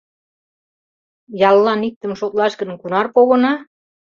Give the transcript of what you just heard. Яллан иктым шотлаш гын, кунар погына?